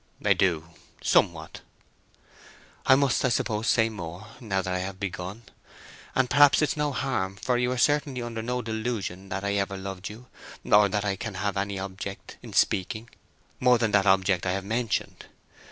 "I do—somewhat." "I must, I suppose, say more, now that I have begun. And perhaps it's no harm, for you are certainly under no delusion that I ever loved you, or that I can have any object in speaking, more than that object I have mentioned.